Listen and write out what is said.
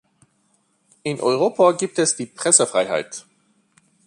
In Europa gibt es die Pressefreiheit.